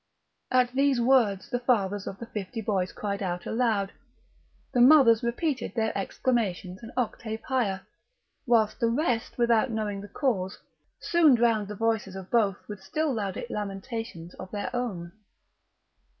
At these words the fathers of the fifty boys cried out aloud, the mothers repeated their exclamations an octave higher, whilst the rest, without knowing the cause, soon drowned the voices of both with still louder lamentations of their own.